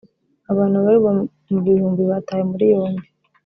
Abantu babarirwa mu bihumbi batawe muri yombi